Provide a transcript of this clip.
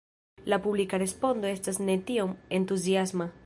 La publika respondo estas ne tiom entuziasma.